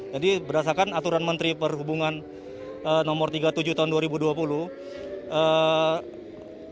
jadi berdasarkan aturan menteri perhubungan no tiga puluh tujuh tahun dua ribu dua puluh